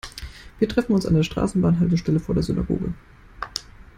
Wir treffen uns an der Straßenbahnhaltestelle vor der Synagoge.